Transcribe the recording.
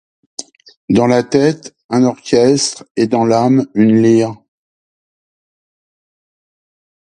Dans la tête un orchestre et dans l'âme une lyre.